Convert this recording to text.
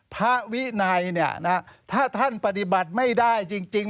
ภาวินัยถ้าท่านปฏิบัติไม่ได้จริง